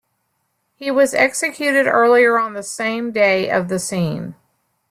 He was executed earlier on the same day of the scene.